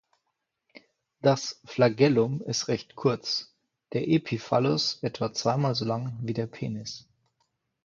Das Flagellum ist recht kurz, der Epiphallus etwa zweimal so lang wie der Penis.